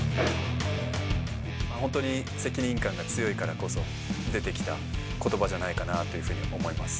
本当に責任感が強いからこそ、出てきたことばじゃないかなぁというふうに思います。